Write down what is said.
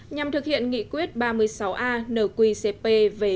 nhằm thực hiện nghị quyết ba mươi sáu a nqcp về chính quyền